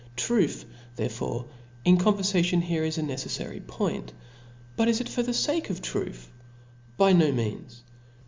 Truth therefore in cpnverfation is here a neceflary point. But is it for the fake of truth ? by no means.